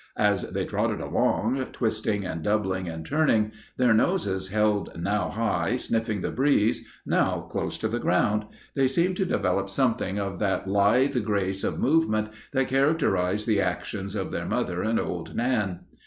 As they trotted along, twisting and doubling and turning, their noses held now high, sniffing the breeze, now close to the ground, they seemed to develop something of that lithe grace of movement that characterized the actions of their mother and old Nan.